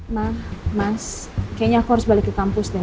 nah mas kayaknya aku harus balik ke kampus deh